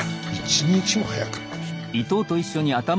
一日も早く。